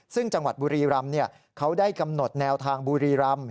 ซึ่งจังหวัดบุรีรำเขาได้กำหนดแนวทางบุรีรำ